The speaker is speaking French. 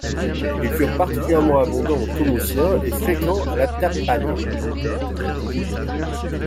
Ils furent particulièrement abondants au Tommotien et fréquents à l’Atdabanien.